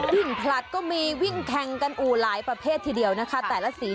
วิ่งผลัดก็มีวิ่งแข่งกันอู่หลายประเภททีเดียวนะคะแต่ละสี